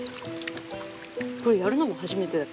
これやるのも初めてだっけ？